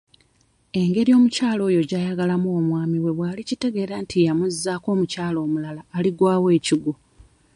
Engeri omukyala oyo gy'ayagalamu omwami we bw'alikitegeera nti yamuzzaako omukyala omulala aligwawo ekigwo.